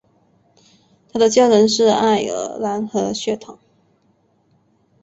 他的家人是爱尔兰和血统。